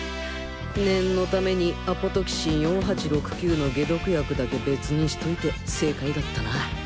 念のために ＡＰＴＸ４８６９ の解毒薬だけ別にしといて正解だったな